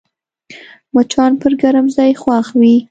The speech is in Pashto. مچان پر ګرم ځای خوښ وي